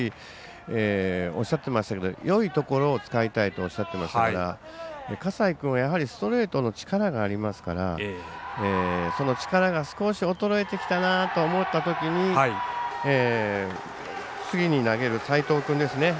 おっしゃってましたがよいところを使いたいとおっしゃってましたから葛西君はストレートの力がありますからその力が少し衰えてきたなと思ったときに、次に投げる齋藤君ですね。